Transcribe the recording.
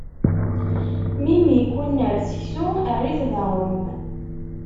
Mi m-ikkunner seksu, err-it-d aɣṛum.